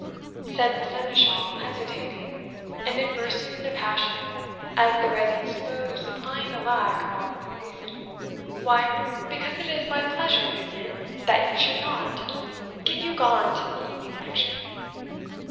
said the seneschal, hesitating, and then bursting into passion as the readiest mode of supplying the lack of all other reason "why, because it is my pleasure, minion, that you should not! Get you gone to the evening lecture."